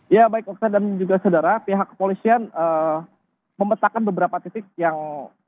ya baik oksa dan juga saudara pihak kepolisian memetakkan beberapa titik yang